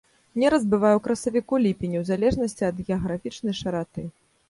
Нераст бывае ў красавіку-ліпені ў залежнасці ад геаграфічнай шыраты.